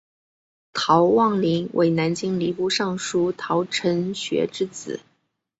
陶望龄为南京礼部尚书陶承学之子。